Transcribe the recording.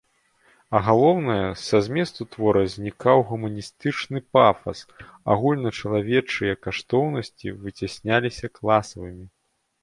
А галоўнае, са зместу твора знікаў гуманістычны пафас, агульначалавечыя каштоўнасці выцясняліся класавымі.